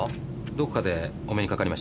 どっかでお目に掛かりました？